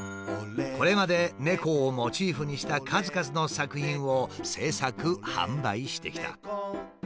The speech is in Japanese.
これまで猫をモチーフにした数々の作品を制作・販売してきた。